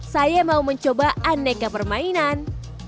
saya mau mencoba aneka permainan